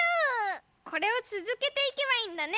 これをつづけていけばいいんだね！